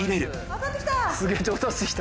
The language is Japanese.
わかってきた！